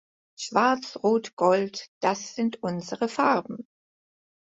Schwarz, Rot, Gold, das sind unsere Farben